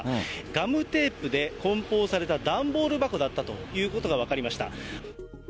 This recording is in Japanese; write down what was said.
ガムテープで梱包された段ボール箱だったということが分かりました。